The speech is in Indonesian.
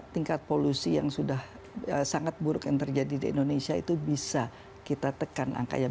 tingkat polusi yang sudah sangat buruk yang terjadi di indonesia itu bisa kita tekan angkanya